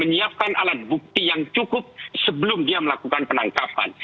menyiapkan alat bukti yang cukup sebelum dia melakukan penangkapan